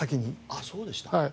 ああそうでしたか。